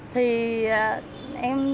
thì cô đã bảo vệ em